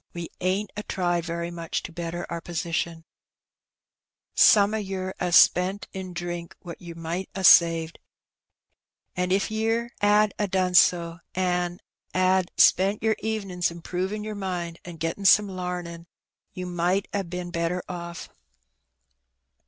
we ain't a tried very much to better our positioiL Some o' yer 'as spent in drink what yer might a saved^ an' if yer 'ad a done so, an' 'ad spent yer evenin's improvin' yer mind an' gettin' some lamin', ye might ha' been better oflf.